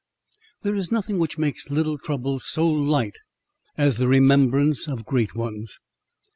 There is nothing which makes little troubles so light as the remembrance of great ones.